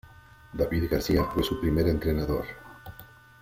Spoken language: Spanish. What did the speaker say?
David García fue su primer entrenador.